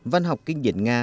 văn học kinh điển nga